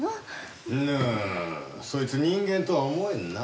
ぬそいつ人間とは思えんな。